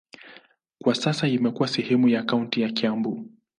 Kwa sasa imekuwa sehemu ya kaunti ya Kiambu.